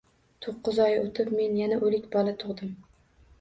To`qqiz oy o`tib men yana o`lik bola tug`dim